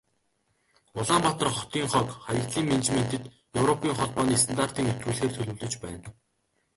Улаанбаатар хотын хог, хаягдлын менежментэд Европын Холбооны стандартыг нэвтрүүлэхээр төлөвлөж байна.